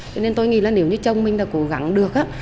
cho nên tôi nghĩ là nếu như chồng mình đã cố gắng được